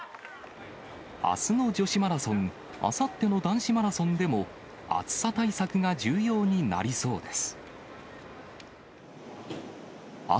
あすの女子マラソン、あさっての男子マラソンでも、暑さ対策が重要になりそうです。